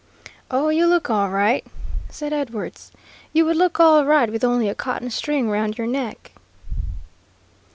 "Oh, you look all right," said Edwards. "You would look all right with only a cotton string around your neck."